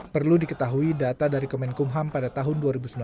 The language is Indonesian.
perlu diketahui data dari kemenkumham pada tahun dua ribu sembilan belas